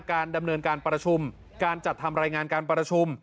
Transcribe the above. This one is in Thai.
การดำเนินการประชุมการจัดทำรายงานการประชุม